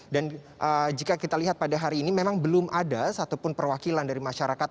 dan jika kita lihat pada hari ini memang belum ada satupun perwakilan dari masyarakat